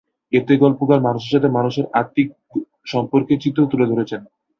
এতে গল্পকার মানুষের সাথে মানুষের আত্মিক সম্পর্কের চিত্র তুলে ধরেছেন।